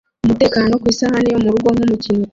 umutekano ku isahani yo murugo nkumukinnyi